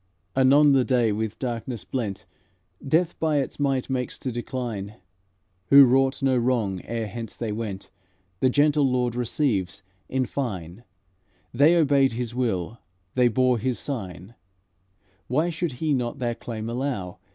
Anon the day with darkness blent, Death by its might makes to decline; Who wrought no wrong ere hence they went, The gentle Lord receives, in fine; They obeyed His will, they bore His sign, Why should He not their claim allow?